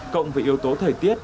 cộng với yếu tố thời tiết